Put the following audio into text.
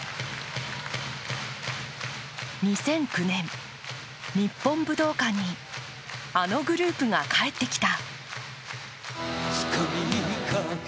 ２００９年、日本武道館に、あのグループが帰ってきた。